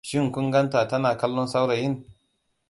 Shin kun gan ta tana kallon saurayin?